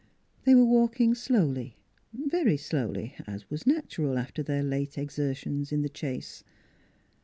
... They were walking slowly, very slowly, as was natural after their late exertions in the chase.